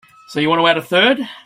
So you want to add a third?